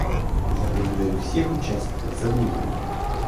Я благодарю всех участников за внимание.